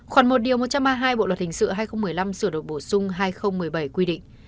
khoảng một điều một trăm ba mươi hai bộ luật hình sự hai nghìn một mươi năm sửa đổi bổ sung hai nghìn một mươi bảy quy định